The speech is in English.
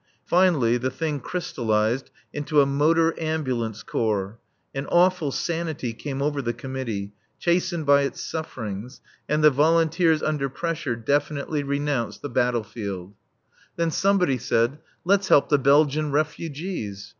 Finally the thing crystallized into a Motor Ambulance Corps. An awful sanity came over the committee, chastened by its sufferings, and the volunteers, under pressure, definitely renounced the battle field. Then somebody said, "Let's help the Belgian refugees."